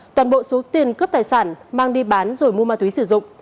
toàn bộ số tiền cướp tài sản mang đi bán rồi mua ma túy sử dụng